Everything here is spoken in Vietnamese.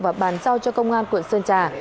và bàn trao cho công an quyền sơn trà